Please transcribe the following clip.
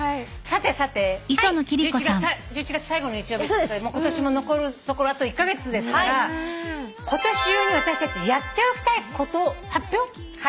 さてさて１１月最後の日曜日ってことで今年も残るところあと１カ月ですから今年中に私たちやっておきたいこと発表します。